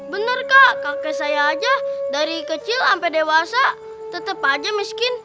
benar kakek saya aja dari kecil sampai dewasa tetap aja miskin